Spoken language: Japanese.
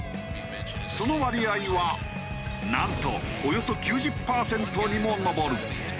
その割合はなんとおよそ９０パーセントにも上る。